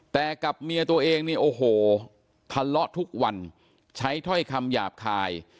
แต่กับเมียตัวเองนี่โอ้โหทะเลาะทุกวันใช้ถ้อยคำหยาบคาย